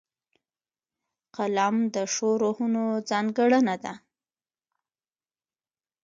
قلم د ښو روحونو ځانګړنه ده